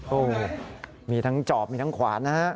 โอ้โหมีทั้งจอบมีทั้งขวานนะฮะ